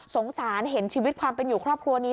สงสารเห็นชีวิตความเป็นอยู่ครอบครัวนี้